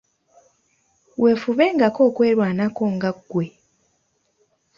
Weefubengako okwerwanako nga ggwe.